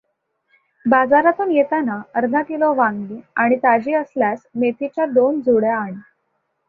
बाजारातून येताना अर्धा किलो वांगी आणि ताजी असल्यास मेथीच्या दोन जुड्या आण.